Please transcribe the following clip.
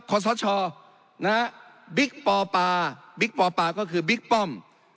ขอสอดชอบนะครับบิ๊กปอปาก็คือบิ๊กป้อม